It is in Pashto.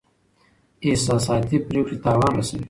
احساساتي پریکړې تاوان رسوي.